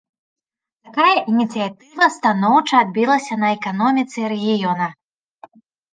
Такая ініцыятыва станоўча адбілася на эканоміцы рэгіёна.